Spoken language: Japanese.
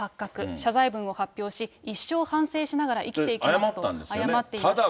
謝罪文を発表し、一生反省しながら生きていきますと謝っていました。